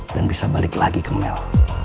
dan bisa balik lagi ke mel